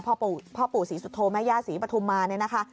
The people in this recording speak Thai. พ่อปู่ศรีสุโธแม่ย่าศรีปฐุมมาเนี่ยนะคะ